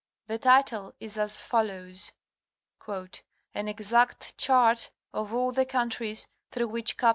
The title is as follows : "An exact chart of all the countries through which Cap'.